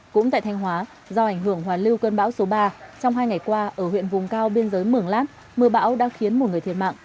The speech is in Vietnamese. cũng tại thanh hóa do ảnh hưởng hoàn lưu cơn bão số ba trong hai ngày qua ở huyện vùng cao biên giới mường lát mưa bão đã khiến một người thiệt mạng